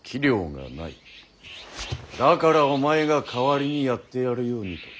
だからお前が代わりにやってやるようにと。